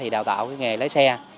đào tạo nghề lái xe